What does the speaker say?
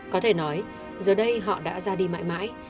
có thể nói giờ đây họ đã ra đi mãi mãi